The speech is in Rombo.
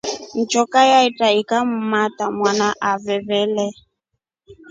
Njoka yaitra ikamuimata mwawna avelele.